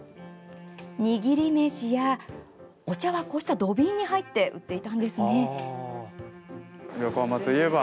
握り飯や、お茶は土瓶に入って売っていたんですね。